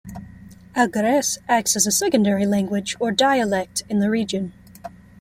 Algherese acts as a secondary language or dialect in the region.